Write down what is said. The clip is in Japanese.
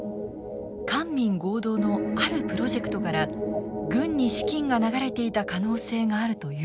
官民合同のあるプロジェクトから軍に資金が流れていた可能性があるというのです。